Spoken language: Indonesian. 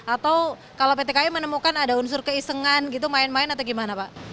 atau kalau pt kai menemukan ada unsur keisengan gitu main main atau gimana pak